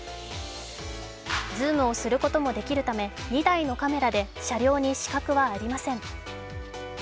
ズームをすることもできるため、２台のカメラで車両に死角はありません。